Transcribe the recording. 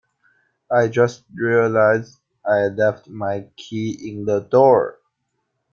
I just realized I left my keys in the door!